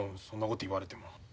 そんなこと言われても。